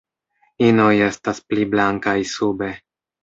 Inoj estas pli blankaj sube.